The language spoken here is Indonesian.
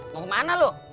mau kemana lu